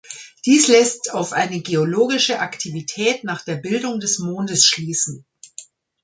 Dies lässt auf eine geologische Aktivität nach der Bildung des Mondes schließen.